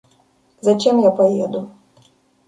Зачем я поеду?